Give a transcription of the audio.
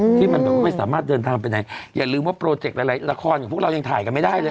ที่มันแบบว่าไม่สามารถเดินทางไปไหนอย่าลืมว่าโปรเจกต์หลายละครของพวกเรายังถ่ายกันไม่ได้เลย